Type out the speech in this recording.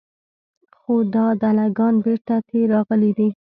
خو دا دله ګان بېرته تې راغلي دي.